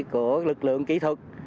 của lực lượng kỹ thuật